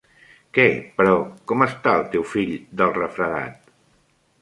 Què, però, com està el teu fill del refredat?